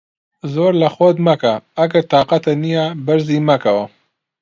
زۆر لە خۆت مەکە، ئەگەر تاقەتت نییە بەرزی مەکەوە.